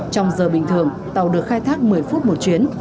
trong giờ bình thường tàu được khai thác một mươi phút một chuyến